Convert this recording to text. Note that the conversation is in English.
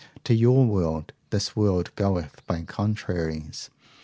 To your world, this world goeth by contraries.